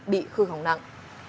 bị khư hỏng nặng